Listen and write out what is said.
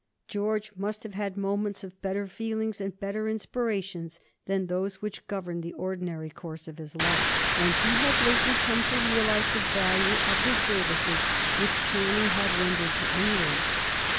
George must have had moments of better feelings and better inspirations than those which governed the ordinary course of his life, and he had lately come to realize the value of the services which Canning had rendered to England.